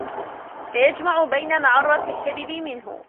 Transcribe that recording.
فَيَجْمَعُ بَيْنَ مَعَرَّةِ الْكَذِبِ مِنْهُ